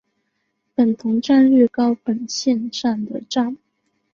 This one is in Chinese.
本桐站日高本线上的站。